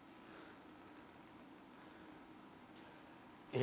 え！